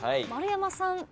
丸山さん。